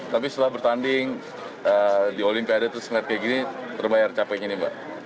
tapi setelah bertanding di olimpiade terus ngeliat kayak gini terbayar capeknya nih mbak